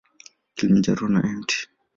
Kilimanjaro na Mt.